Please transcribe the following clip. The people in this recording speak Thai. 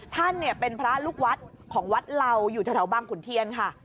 ท่านเนี่ยเป็นพระลูกวัดของวัดเหล่าอยู่แถวบางขุนเทียนค่ะ